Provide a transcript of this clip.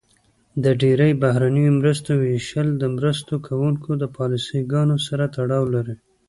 د ډیری بهرنیو مرستو ویشل د مرسته کوونکو د پالیسي ګانو سره تړاو لري.